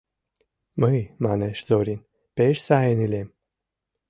«Мый, — манеш Зорин, — пеш сайын илем.